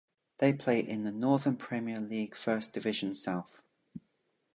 They play in the Northern Premier League First Division South.